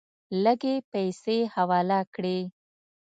لږې پیسې حواله کړې.